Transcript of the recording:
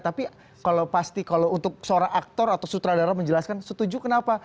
tapi kalau pasti kalau untuk seorang aktor atau sutradara menjelaskan setuju kenapa